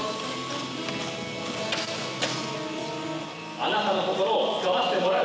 あなたの心をつかませてもらう。